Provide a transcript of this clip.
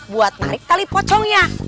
buat narik tali pocongnya